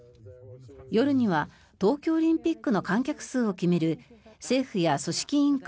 夜には東京オリンピックの観客数を決める政府や組織委員会